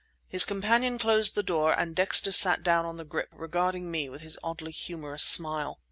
His companion closed the door and Dexter sat down on the grip, regarding me with his oddly humorous smile.